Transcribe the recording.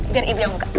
biar ibu yang buka